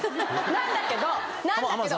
なんだけどなんだけど！